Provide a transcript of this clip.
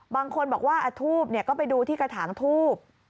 บางคนบอกว่าทูบก็ไปดูที่กระถางทูบ